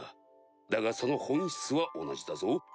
だがその本質は同じだぞ。